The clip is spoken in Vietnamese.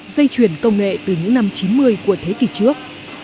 dây chuyển công nghệ từ những năm chín mươi của thế kỷ trước